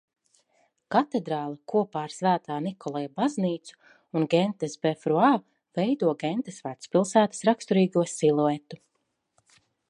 Katedrāle kopā ar Svētā Nikolaja baznīcu un Gentes befruā veido Gentes vecpilsētas raksturīgo siluetu.